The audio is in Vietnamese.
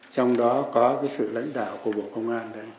trong đó có sự lãnh đạo của bộ công an